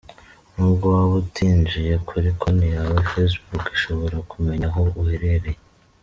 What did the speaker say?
Nubwo waba utinjiye kuri konti yawe, Facebook ishobora kumenya aho uherereye.